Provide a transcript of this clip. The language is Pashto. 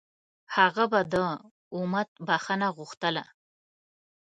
هغه به د امت بښنه غوښتله.